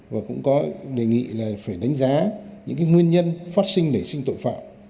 và cũng có đề nghị là phải đánh giá những nguyên nhân phát sinh nảy sinh tội phạm